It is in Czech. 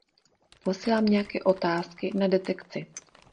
Posílám nějaké otázky na detekci.